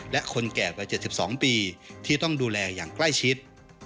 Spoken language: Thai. และคนแก่วัย๗๒ปีที่ต้องดูแลอย่างใกล้ชิด